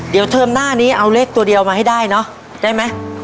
เดี๋ยวเทอมหน้านี้เอาเลขตัวเดียวมาให้ได้เนอะได้ไหม